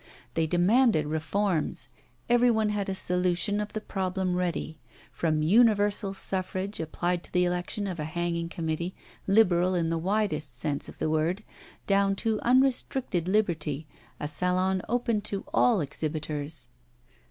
They demanded reforms; every one had a solution of the problem ready from universal suffrage, applied to the election of a hanging committee, liberal in the widest sense of the word, down to unrestricted liberty, a Salon open to all exhibitors.